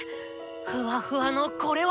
ふわふわのこれは。